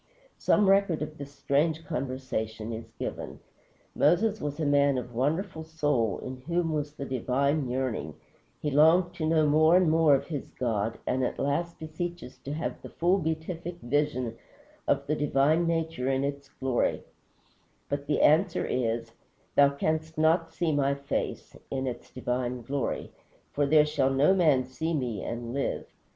_" Some record of this strange conversation is given. Moses was a man of wonderful soul, in whom was the divine yearning; he longed to know more and more of his God, and at last beseeches to have the full beatific vision of the divine nature in its glory; but the answer is: "Thou canst not see my face [in its divine glory], for there shall no man see me and live."